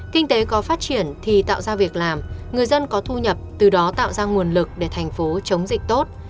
kinh tế có phát triển thì tạo ra việc làm người dân có thu nhập từ đó tạo ra nguồn lực để thành phố chống dịch tốt